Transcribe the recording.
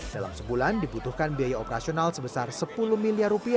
dalam sebulan dibutuhkan biaya operasional sebesar rp sepuluh miliar